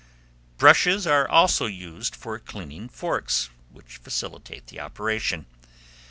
Brushes are also used for cleaning forks, which facilitate the operation.